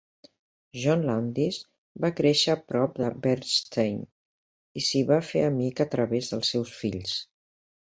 John Landis va créixer a prop de Bernstein i s'hi va fer amic a través dels seus fills.